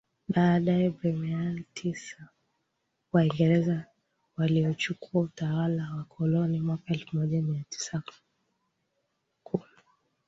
baadaye Bremen Tisa Waingereza waliochukua utawala wa koloni mwaka elfu moja mia tisa kumi